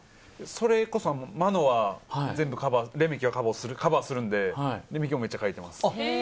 それこそマノは、レメキもカバーをするので、レメキもめっちゃ書いてます。